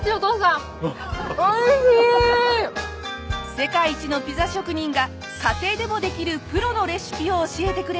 世界一のピザ職人が家庭でもできるプロのレシピを教えてくれます。